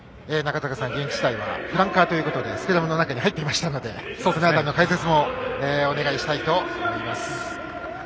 中竹さん、現役時代はフランカーということでスクラムの中に入っていましたのでその辺りの解説もお願いしたいと思います。